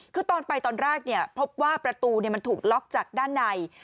คือตอนไปตอนแรกพบว่าประตูมันถูกล็อกจากด้านใน